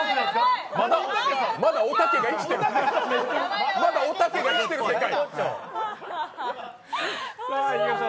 まだ、おたけが生きてる世界。